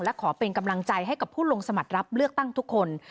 และขอเป็นกำลังใจให้กับผู้ลงสมัครรับเลือกตั้งทุกคน